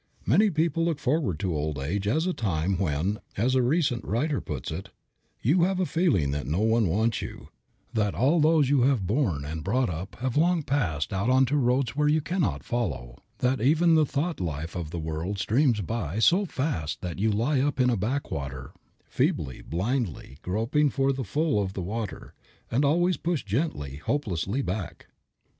Many people look forward to old age as a time when, as a recent writer puts it, you have "a feeling that no one wants you, that all those you have borne and brought up have long passed out onto roads where you cannot follow, that even the thought life of the world streams by so fast that you lie up in a backwater, feebly, blindly groping for the full of the water, and always pushed gently, hopelessly back."